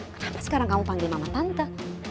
kenapa sekarang kamu panggil mama tante